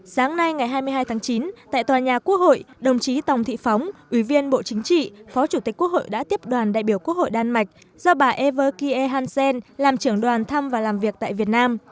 sáng nay ngày hai mươi hai tháng chín tại tòa nhà quốc hội đồng chí tòng thị phóng ủy viên bộ chính trị phó chủ tịch quốc hội đã tiếp đoàn đại biểu quốc hội đan mạch do bà ever kieve hansen làm trưởng đoàn thăm và làm việc tại việt nam